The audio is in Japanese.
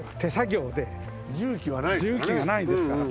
重機はないですからね。